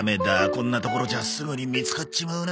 こんな所じゃすぐに見つかっちまうな。